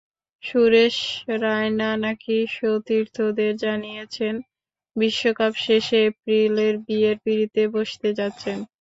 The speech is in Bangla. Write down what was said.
সুরেশ রায়না নাকি সতীর্থদের জানিয়েছেন, বিশ্বকাপ শেষে এপ্রিলেই বিয়ের পিঁড়িতে বসতে যাচ্ছেন।